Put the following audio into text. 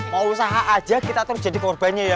mau usaha aja kita terus jadi korbannya ya